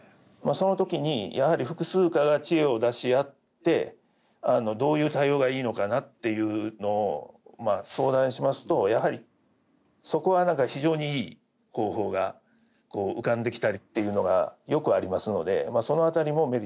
その時にやはり複数科が知恵を出し合ってどういう対応がいいのかなっていうのを相談しますとやはりそこは何か非常にいい方法が浮かんできたりっていうのがよくありますのでその辺りもメリットかなと考えております。